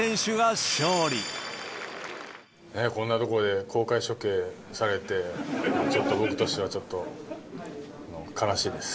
こんなところで公開処刑されて、ちょっと僕としては、ちょっと悲しいです。